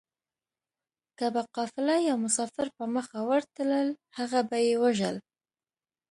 که به قافله يا مسافر په مخه ورتلل هغه به يې وژل